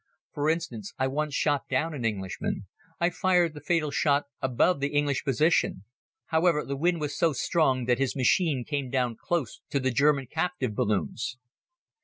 For instance, I once shot down an Englishman. I fired the fatal shot above the English position. However, the wind was so strong that his machine came down close to the German captive balloons.